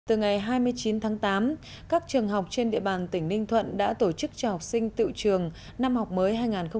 từ ngày hai mươi chín tháng tám các trường học trên địa bàn tỉnh ninh thuận đã tổ chức cho học sinh tự trường năm học mới hai nghìn một mươi sáu hai nghìn một mươi bảy